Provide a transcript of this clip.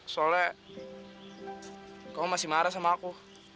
soalnya kamu masih marah sama aku